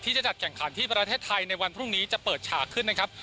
จะจัดแข่งขันที่ประเทศไทยในวันพรุ่งนี้จะเปิดฉากขึ้นนะครับ